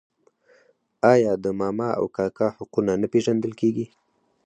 آیا د ماما او کاکا حقونه نه پیژندل کیږي؟